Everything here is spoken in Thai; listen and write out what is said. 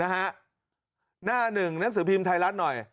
หน้าหนึ่งหนังสือพิมพ์ไทยรัฐหน่อย